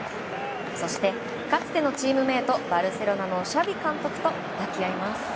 そして、かつてのチームメートバルセロナのシャビ監督と抱き合います。